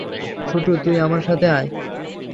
শুটু, তুই আমার সাথে আয়।